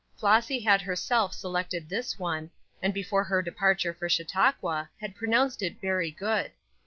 Flossy had herself selected this one, and before her departure for Chautauqua had pronounced it very good.